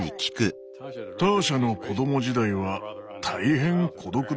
ターシャの子供時代は大変孤独でした。